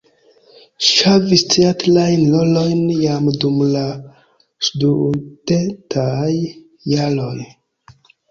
Ŝi havis teatrajn rolojn jam dum la studentaj jaroj.